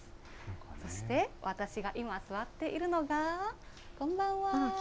そして私が今、座っているのが、こんばんは。